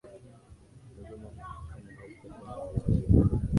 mtazamo wa mahakama haukuwa kwenye mauaji ya kimbari